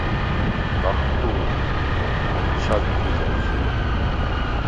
ლახტუ̄ლეხ: “ანჩადუ ლოქ სერ”.